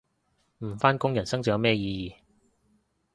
唔返工人生仲有咩意義